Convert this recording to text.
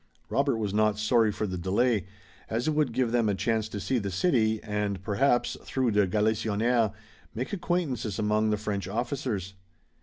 Robert was not sorry for the delay, as it would give them a chance to see the city, and perhaps, through de Galisonnière, make acquaintances among the French officers.